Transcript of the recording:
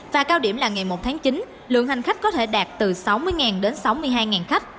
và cao điểm là ngày một tháng chín lượng hành khách có thể đạt từ sáu mươi đến sáu mươi hai khách